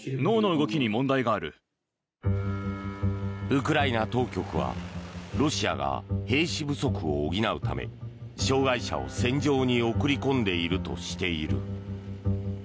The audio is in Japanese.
ウクライナ当局はロシアが兵士不足を補うため障害者を戦場に送り込んでいるとしている。